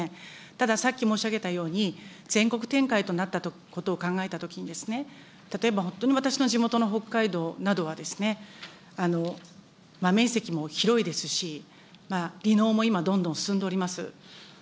たださっき申し上げたように、全国展開となったことを考えたときに、例えば本当に私の地元の北海道などはですね、面積も広いですし、離農も今どんどん進んでおります。